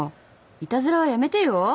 いたずらはやめてよ。